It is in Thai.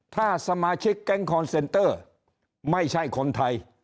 ถ้าสมาชิกแก๊งคอนเซนเตอร์ไม่ใช่คนไทย